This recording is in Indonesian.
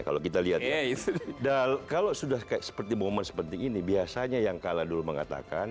kalau kita lihat kalau sudah seperti momen seperti ini biasanya yang kalah dulu mengatakan